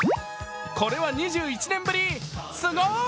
これは２１年ぶり、すごーい！